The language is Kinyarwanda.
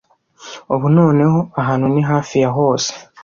Ubu noneho ahantu ni hafi ya hose